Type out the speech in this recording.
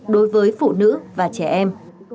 đối với phụ nữ và trẻ em